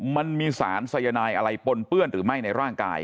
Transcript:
มันมีสารสายนายอะไรปนเปื้อนหรือไม่ในร่างกาย